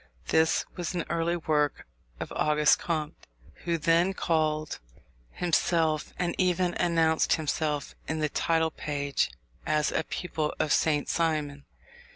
This was an early work of Auguste Comte, who then called himself, and even announced himself in the title page as, a pupil of Saint Simon.